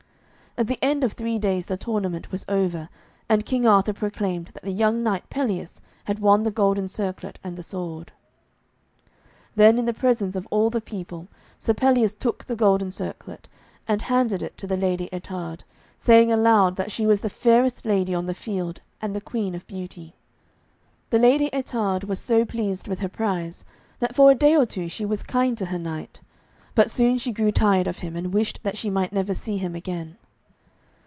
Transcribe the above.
At the end of three days the tournament was over, and King Arthur proclaimed that the young knight Pelleas had won the golden circlet and the sword. [Illustration: SIR PELLEAS WAS ALWAYS AT HIS LADY'S SIDE Page 49] Then in the presence of all the people, Sir Pelleas took the golden circlet and handed it to the Lady Ettarde, saying aloud that she was the fairest lady on the field and the Queen of Beauty. The Lady Ettarde was so pleased with her prize, that for a day or two she was kind to her knight, but soon she grew tired of him, and wished that she might never see him again.